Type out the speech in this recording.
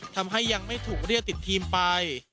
ทำให้ยังไม่ถูกเรียกติดทีมไป